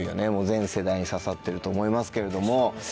全世代に刺さってると思いますけれども。